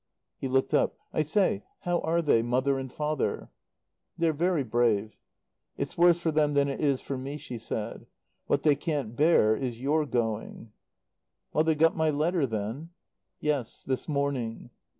He looked up. "I say how are they? Mother and Father?" "They're very brave. "It's worse for them than it is for me," she said. "What they can't bear is your going." "Mother got my letter, then?" "Yes. This morning."